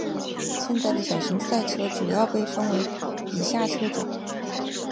现在的小型赛车主要被分为以下车种。